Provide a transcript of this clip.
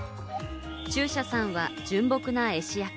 中車さんは純朴な絵師役。